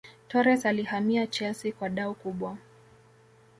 Torres alihamia Chelsea kwa dau kubwa